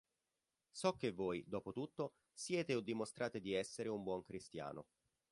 So che voi, dopo tutto, siete o dimostrate di essere un buon cristiano.